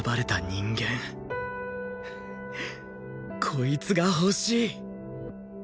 こいつが欲しい！